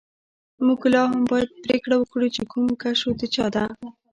موږ لاهم باید پریکړه وکړو چې کوم کشو د چا ده